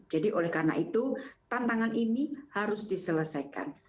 oleh karena itu tantangan ini harus diselesaikan